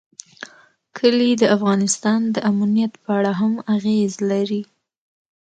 کلي د افغانستان د امنیت په اړه هم اغېز لري.